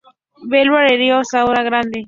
Ver Balneario Sauce Grande.